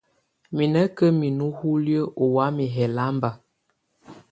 Mɛ̀ nà ka minu uliǝ́ ɔ̀ wamɛ̀á ɛlamba.